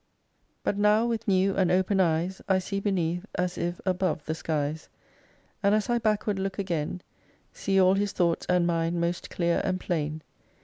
5 But now, with new and open eyes, I see beneath, as if above the skies, And as I backward look again See all His thoughts and mine most clear and plain.